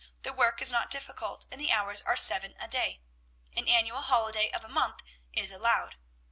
The work is not difficult, and the hours are seven a day. An annual holiday of a month is allowed.'